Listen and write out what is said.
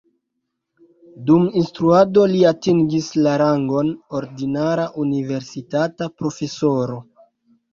Dum instruado li atingis la rangon ordinara universitata profesoro.